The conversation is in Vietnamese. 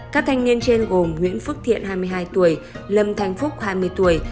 các thanh niên trên gồm nguyễn phước thiện hai mươi hai tuổi lâm thanh phúc hai mươi tuổi